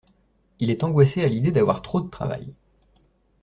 Il est angoissé à l'idée d'avoir trop de travail.